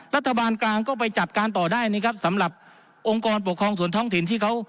รัฐบาลกลางก็ไปจัดการต่อได้นะครับสำหรับองค์กรปกครองส่วนท้องถิ่นที่เขา